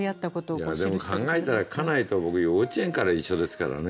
いやでも考えたら家内と僕幼稚園から一緒ですからね。